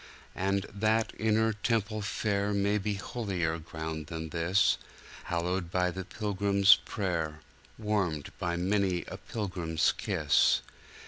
And that inner temple fair May be holier ground than this, Hallowed by the pilgrim's prayer, Warmed by many a pilgrim's kiss.